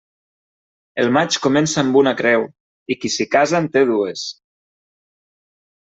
El maig comença amb una creu, i qui s'hi casa en té dues.